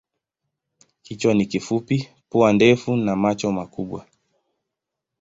Kichwa ni kifupi, pua ndefu na macho makubwa.